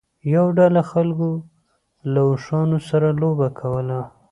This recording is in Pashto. یوه ډله خلکو له اوښانو سره لوبه کوله.